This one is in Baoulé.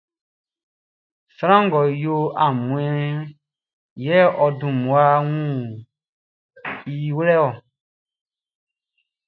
Sran ngʼɔ yo aunmuanʼn, yɛ ɔ dun mmua wun i wlɛ-ɔ.